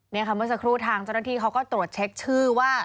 นี่ค่ะเมื่อสักครู่ทางเจ้าหน้าที่เขาก็ตรวจเช็คชื่อว่า